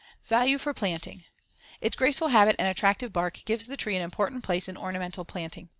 Value for planting: Its graceful habit and attractive bark gives the tree an important place in ornamental planting.